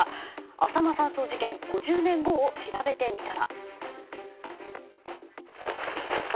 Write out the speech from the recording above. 浅間山荘事件５０年後をしらべてみたら。